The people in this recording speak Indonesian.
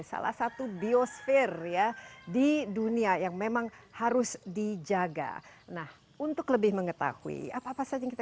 salah satu biosfer ya di dunia yang memang harus dijaga nah untuk lebih mengetahui apa apa saja yang kita